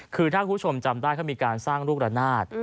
คือถ้าคุณผู้ชมจำได้เขามีการสร้างลูกระนาด